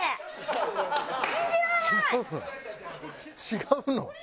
違うの？